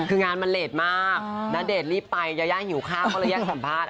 คืองานมันเลสมากณเดชน์รีบไปยายาหิวข้าวก็เลยแยกสัมภาษณ์